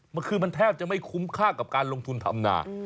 มันคือมันแทบจะไม่คุ้มค่ากับการลงทุนทำนา